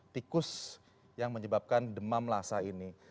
tikus yang menyebabkan demam lasa ini